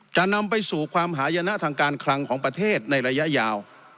จะนำไปสู่ความหายนะทางการคลังของประเทศในระยะยาว